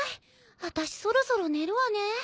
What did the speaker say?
あたしそろそろ寝るわね。